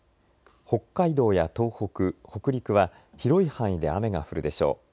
北海道や東北、北陸は広い範囲で雨が降るでしょう。